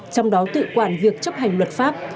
trong đó tự quản việc chấp hành luật pháp